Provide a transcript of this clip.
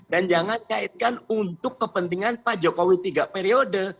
dan jangan kaitkan untuk kepentingan pak jokowi tiga periode